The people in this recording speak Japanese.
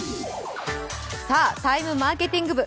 「ＴＩＭＥマーケティング部」